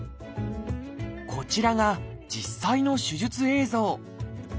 こちらが実際の手術映像。